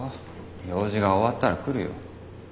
用事が終わったら来るよ。